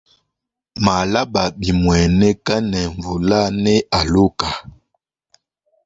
Malaba bimuaneka ne mvula ne aloka.